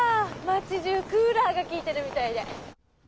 街中クーラーがきいてるみたいで。